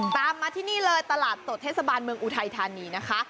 ตามมาที่นี่เลยตลาดสดเทศบาลเมืองอุทัยธานีนะคะ